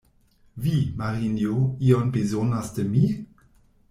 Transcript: Vi, Marinjo, ion bezonas de mi?